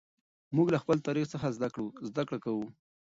موږ له خپل تاریخ څخه زده کړه کوو.